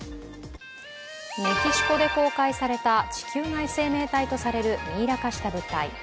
メキシコで公開された地球外生命体とされるミイラ化した物体。